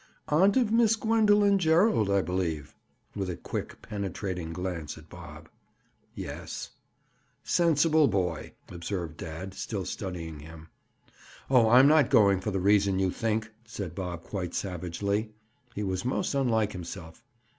"Aunt of Miss Gwendoline Gerald, I believe?" With a quick penetrating glance at Bob. "Yes." "Sensible boy," observed dad, still studying him. "Oh, I'm not going for the reason you think," said Bob quite savagely. He was most unlike himself.